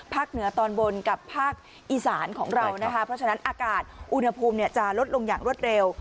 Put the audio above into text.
เหนือตอนบนกับภาคอีสานของเรานะคะเพราะฉะนั้นอากาศอุณหภูมิจะลดลงอย่างรวดเร็ว